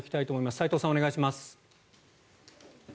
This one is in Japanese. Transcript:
齋藤さん、お願いします。